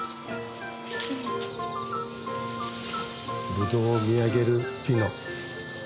ブドウを見上げるピノ。